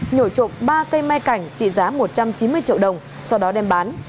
nổi trộm ba cây mai cảnh trị giá một trăm chín mươi triệu đồng sau đó đem bán